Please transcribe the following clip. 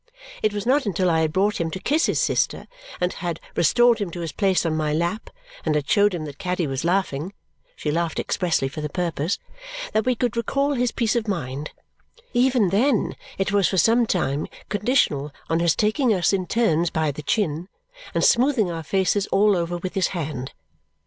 It was not until I had brought him to kiss his sister, and had restored him to his place on my lap, and had shown him that Caddy was laughing (she laughed expressly for the purpose), that we could recall his peace of mind; even then it was for some time conditional on his taking us in turns by the chin and smoothing our faces all over with his hand.